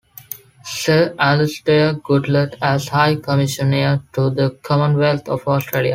Sir Alastair Goodlad, as High Commissioner to the Commonwealth of Australia.